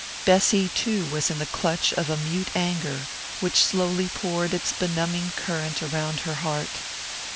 Bessy, too, was in the clutch of a mute anger which slowly poured its benumbing current around her heart.